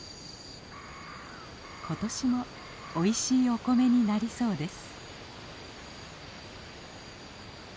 今年もおいしいお米になりそうです。